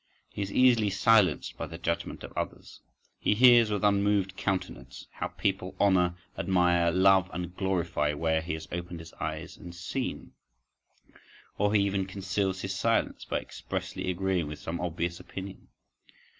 He is easily silenced by the judgment of others, he hears with unmoved countenance how people honour, admire, love, and glorify, where he has opened his eyes and seen—or he even conceals his silence by expressly agreeing with some obvious opinion.